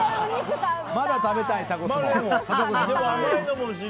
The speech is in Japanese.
まだ食べたい、タコスも。